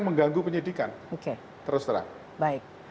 mengganggu penyidikan terus terang